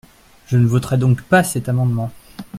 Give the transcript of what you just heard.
Je ne voterai donc pas cet amendement.